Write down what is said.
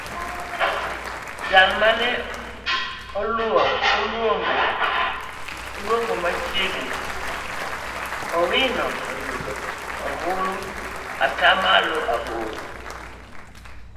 Jal mane olerogo machiegni Owino oyudo ombulu atamalo aboro.